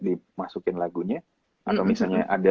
dimasukin lagunya atau misalnya